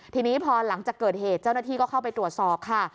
ทีนี้พอหลังจากเกิดเหตุเจ้าหน้าที่ก็เข้าไปตรวจสอบค่ะ